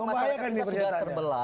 membahayakan ini pernyataannya